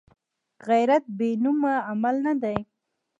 غیرت بېنومه عمل نه دی